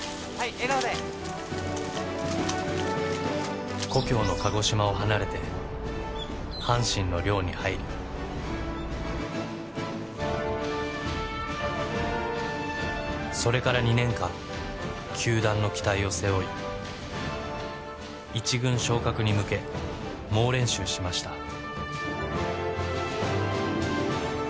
はい笑顔で故郷の鹿児島を離れて阪神の寮に入りそれから２年間球団の期待を背負い一軍昇格に向け猛練習しました